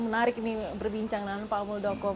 menarik ini berbincang dengan pak muldoko